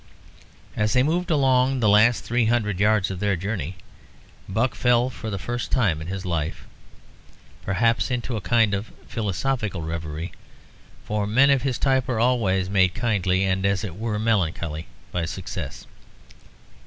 As they moved along the last three hundred yards of their journey, Buck fell, for the first time in his life, perhaps, into a kind of philosophical reverie, for men of his type are always made kindly, and as it were melancholy, by success.